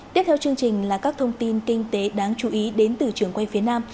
tiếp theo chương trình là các thông tin kinh tế đáng chú ý đến từ trường quay phía nam